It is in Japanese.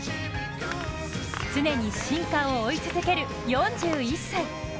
常に進化を追い続ける４１歳。